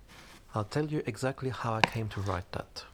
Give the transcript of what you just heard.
I'll tell you exactly how I came to write that.